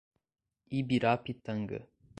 Ibirapitanga